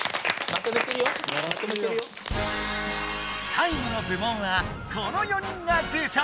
さいごの部門はこの４人が受賞。